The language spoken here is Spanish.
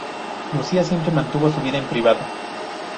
Lucía siempre mantuvo su vida en privado.